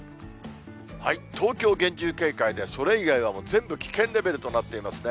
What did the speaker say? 東京、厳重警戒で、それ以外は全部、危険レベルとなってますね。